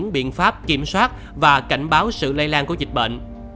biện pháp kiểm soát và cảnh báo sự lây lan của dịch bệnh